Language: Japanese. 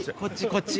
こっち。